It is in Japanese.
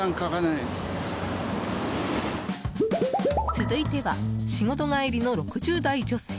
続いては仕事帰りの６０代女性。